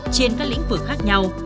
trên các lĩnh vực khác nhau